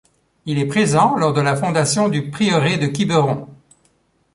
Il est présent lors de la fondation du prieuré de Quiberon.